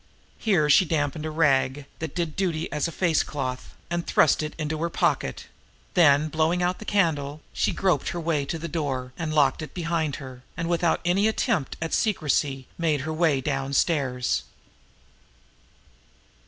Here, she dampened a rag, that did duty as a facecloth, and thrust it into her pocket; then, blowing out the candle, she groped her way to the door, locked it behind her, and without any attempt at secrecy made her way downstairs.